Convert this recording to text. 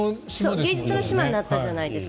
芸術の島になったじゃないですか。